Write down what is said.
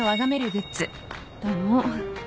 どうも。